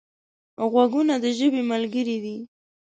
غوږونه د ژبې ملګري دي